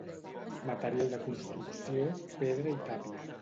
Material de construcció: pedra i tàpia.